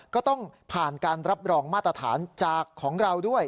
ก็ต้องผ่านการรับรองมาตรฐานจากของเราด้วย